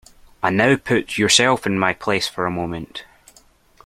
And now put yourself in my place for a moment.